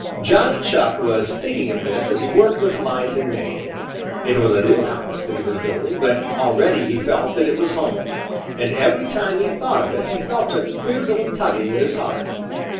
Johnny Chuck was thinking of this as he worked with might and main. It was a new house that he was building, but already he felt that it was home, and every time he thought of it he felt a queer little tugging at his heart.